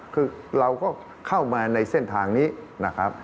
คือเราก็เข้ามาในเส้นทางนี้นะครับ